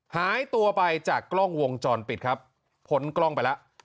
หายตัวไปจากกล้องวงจรปิดครับพ้นกล้องไปแล้ว